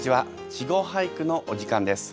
「稚語俳句」のお時間です。